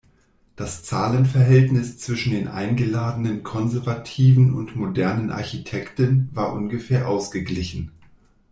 Das Zahlenverhältnis zwischen den eingeladenen konservativen und modernen Architekten war ungefähr ausgeglichen.